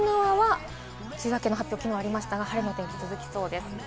沖縄は梅雨明けの発表が昨日ありましたから、晴れの日が続きそうです。